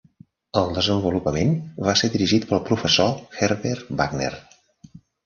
El desenvolupament va ser dirigit pel professor Herbert Wagner.